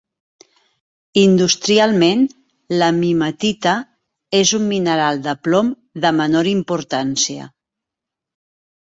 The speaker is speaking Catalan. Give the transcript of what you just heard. Industrialment, la mimetita és un mineral de plom de menor importància.